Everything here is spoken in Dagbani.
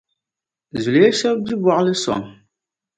Zuliya shɛb’ gbi bɔɣili sɔŋ.